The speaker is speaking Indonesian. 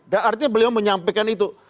dan artinya beliau menyampaikan itu